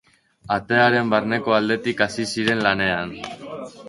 Atearen barneko aldetik hasi ziren lanean.